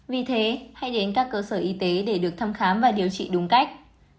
vì thế hãy đến các cơ sở y tế để được thăm khám và điều trị đúng cách